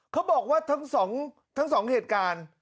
เขาบอกว่าทั้งสองเหตุการณ์